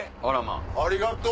ありがとう。